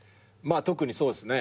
特にそうっすね。